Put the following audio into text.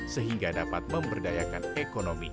sehingga dapat memperdayakan ekonomi